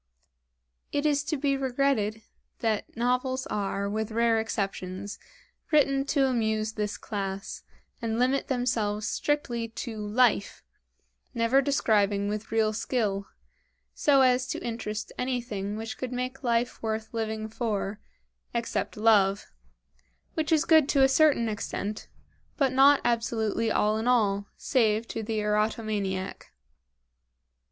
It is to be regretted that novels are, with rare exceptions, written to amuse this class, and limit themselves strictly to "life," never describing with real skill, so as to interest anything which would make life worth living for except love which is good to a certain extent, but not absolutely all in all, save to the eroto maniac.